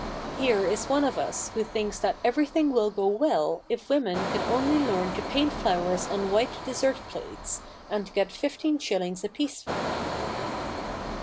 Here is one of us who thinks that everything will go well if women can only learn to paint flowers on white dessert plates, and get fifteen shillings apiece for them.'